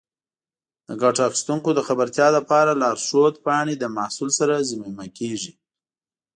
د ګټه اخیستونکو د خبرتیا لپاره لارښود پاڼې له محصول سره ضمیمه کېږي.